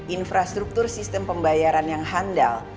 infrastruktur sistem pembayaran yang handal